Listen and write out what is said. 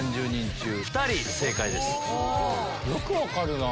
よく分かるなぁ。